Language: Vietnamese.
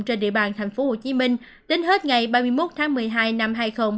trên địa bàn tp hcm đến hết ngày ba mươi một tháng một mươi hai năm hai nghìn hai mươi